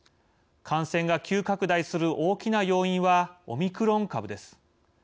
感染が急拡大する大きな要因はオミクロン株です。